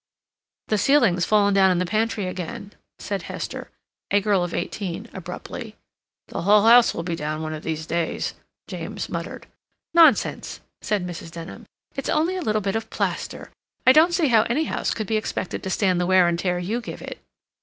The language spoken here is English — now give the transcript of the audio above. "The ceiling's fallen down in the pantry again," said Hester, a girl of eighteen, abruptly. "The whole house will be down one of these days," James muttered. "Nonsense," said Mrs. Denham. "It's only a little bit of plaster—I don't see how any house could be expected to stand the wear and tear you give it."